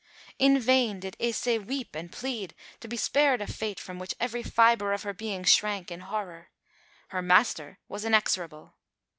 In vain did Aissé weep and plead to be spared a fate from which every fibre of her being shrank in horror. Her "master" was inexorable.